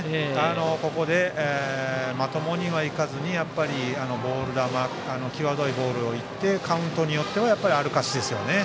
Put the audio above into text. ここでまともには行かずにボール球、際どいボールをいってカウントによっては歩かせますね。